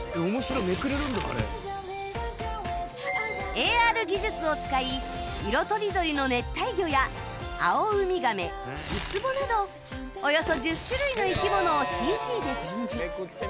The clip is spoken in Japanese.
ＡＲ 技術を使い色とりどりの熱帯魚やアオウミガメウツボなどおよそ１０種類の生き物を ＣＧ で展示